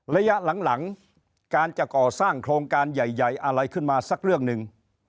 ระยะหลังการจะก่อสร้างโครงการใหญ่อะไรขึ้นมาสักเรื่องหนึ่ง